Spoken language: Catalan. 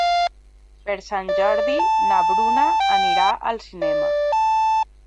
Per Sant Jordi na Bruna anirà al cinema.